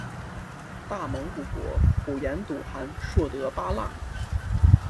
大蒙古国普颜笃汗硕德八剌。